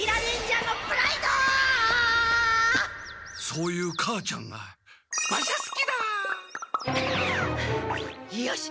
そういう母ちゃんがワシャすきだ！よし！